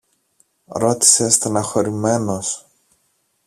ρώτησε στενοχωρεμένος.